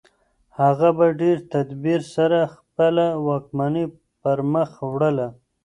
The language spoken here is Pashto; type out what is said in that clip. هغه په ډېر تدبیر سره خپله واکمني پرمخ وړله.